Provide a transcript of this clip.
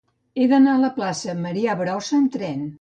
He d'anar a la plaça de Marià Brossa amb tren.